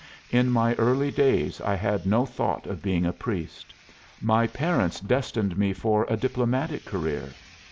In my early days I had no thought of being a priest. By parents destined me for a diplomatic career.